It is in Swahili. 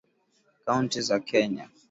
kaunti za kenya